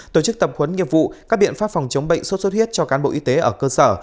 tổ chức tập huấn nghiệp vụ các biện pháp phòng chống bệnh sốt xuất huyết cho cán bộ y tế ở cơ sở